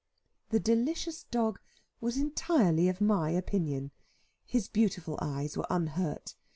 The delicious dog was entirely of my opinion. His beautiful eyes were unhurt.